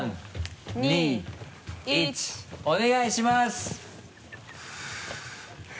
お願いします。